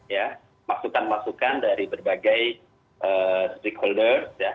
ya masukan masukan dari berbagai stakeholders ya